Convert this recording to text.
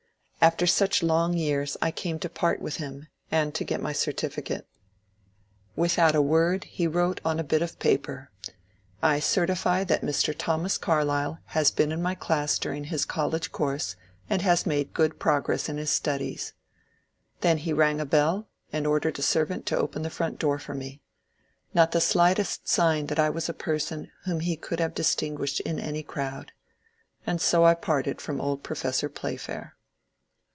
After such long years I came to part with him, and to get my certificate. W ithout a word he wrote on a bit of paper :^^ I certify that Mr. Thomas Carlyle has been in my class during his college course, and has made good progress in his studies." Then he rang a bell, and ordered a servant to open the front door for me. Not the slightest sign that I was a person whom he could have dis tinguished in any crowd. And so I parted from old Professor Playfair.